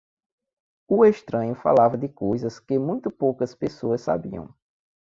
O estranho falava de coisas que muito poucas pessoas sabiam.